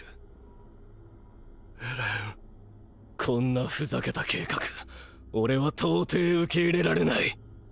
こんなふざけた計画オレは到底受け入れられない！！